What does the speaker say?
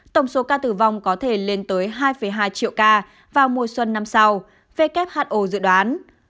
tổng số ca tử vong có thể lên tới hai hai triệu ca vào mùa xuân năm sau who dự đoán